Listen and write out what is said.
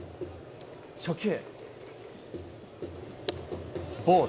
初球。